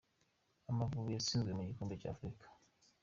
Amavubi yatsinzwe mu gikombe cy’ Africa.